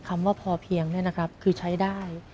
คำว่าพอเพียงเนี่ยนะครับคือใช้ได้